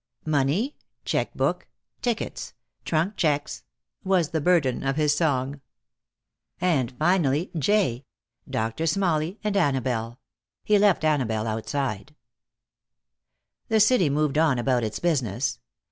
"Money. Checkbook. Tickets. Trunk checks," was the burden of his song. (j) Doctor Smalley and Annabelle. He left Annabelle outside. The city moved on about its business.